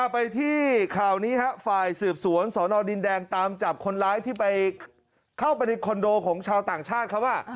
ไปที่ข่าวนี้ฝ่ายสืบสวนสอนอดินแดงตามจับคนร้ายที่ไปเข้าไปในคอนโดของชาวต่างชาติเขา